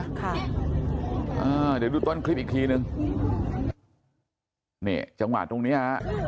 เดี๋ยวดูต้นคลิปอีกทีนึงนี่จังหวะตรงเนี้ยฮะ